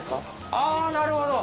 ああなるほど。